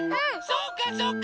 そうかそうか！